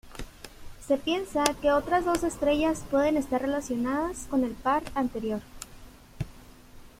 Se piensa que otras dos estrellas pueden estar relacionadas con el par anterior.